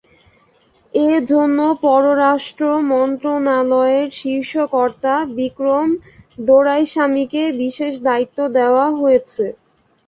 এ জন্য পররাষ্ট্র মন্ত্রণালয়ের শীর্ষ কর্তা বিক্রম ডোরাইস্বামীকে বিশেষ দায়িত্ব দেওয়া হয়েছে।